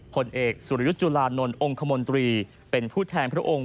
ผลเอกสุรยุทธ์จุลานนท์องค์คมนตรีเป็นผู้แทนพระองค์